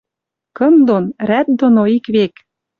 Кын дон, ряд доно ик век.